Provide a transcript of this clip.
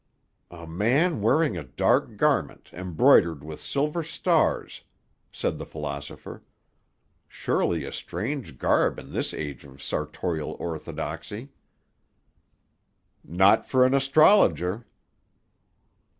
"A man wearing a dark garment embroidered with silver stars," said the philosopher. "Surely a strange garb in this age of sartorial orthodoxy." "Not for an astrologer."